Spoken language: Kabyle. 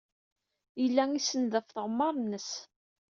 Yella isenned ɣef tɣemmar-nnes.